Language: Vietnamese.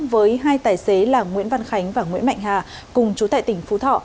với hai tài xế là nguyễn văn khánh và nguyễn mạnh hà cùng chú tại tỉnh phú thọ